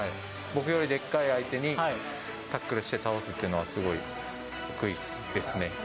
僕よりでっかい相手にタックルして倒すっていうのは、すごい得意ですね。